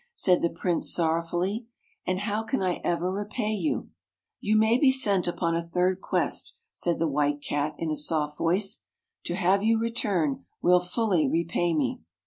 " said the Prince sorrowfully. " And how can I ever repay you? "" You may be sent upon a third quest," said the White Cat in a soft voice. " To have you return will fully repay me."